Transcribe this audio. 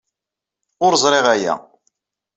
Ur ẓriɣ aya.